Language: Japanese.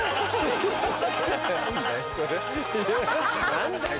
何だよ